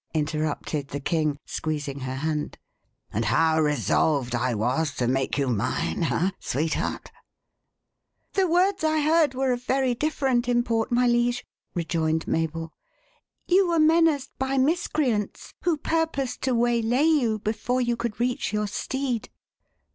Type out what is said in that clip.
interrupted the king, squeezing her hand "and how resolved I was to make you mine ha! sweetheart?" "The words I heard were of very different import, my liege," rejoined Mabel. "You were menaced by miscreants, who purposed to waylay you before you could reach your steed."